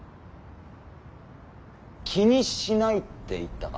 「気にしない」って言ったか？